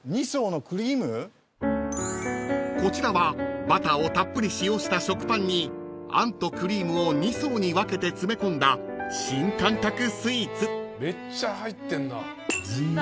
［こちらはバターをたっぷり使用した食パンに餡とクリームを２層に分けて詰め込んだ新感覚スイーツ］ずんだ